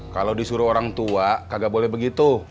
kalau disuruh orang tua kagak boleh begitu